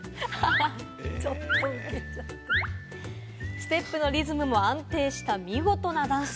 ステップのリズムも安定した見事なダンス。